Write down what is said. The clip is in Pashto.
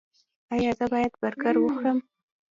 ایا زه باید برګر وخورم؟